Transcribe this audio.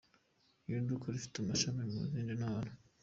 Iri duka rifite amashami mu zindi ntara.